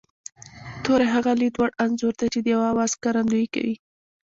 توری هغه لید وړ انځور دی چې د یوه آواز ښکارندويي کوي